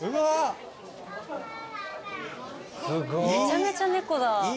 めちゃめちゃ猫だ。